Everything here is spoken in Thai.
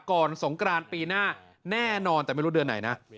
สงกรานปีหน้าแน่นอนแต่ไม่รู้เดือนไหนนะ